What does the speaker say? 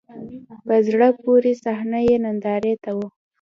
په زړه پورې صحنه یې نندارې ته و.